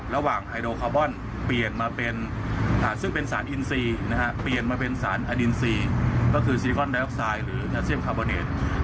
ระหว่างไฮโดรคาร์บอนเปลี่ยนมาเป็นสารอินซีก็คือซิลิกอลไดออกไซด์หรือแคลเซียมคาร์บอนีต